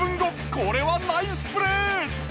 これはナイスプレー！